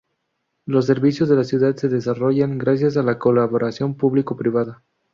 Los servicios de la ciudad se desarrollan gracias la colaboración público-privada.